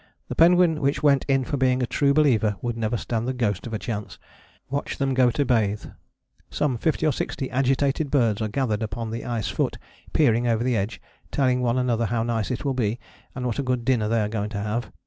The penguin which went in for being a true believer would never stand the ghost of a chance. Watch them go to bathe. Some fifty or sixty agitated birds are gathered upon the ice foot, peering over the edge, telling one another how nice it will be, and what a good dinner they are going to have.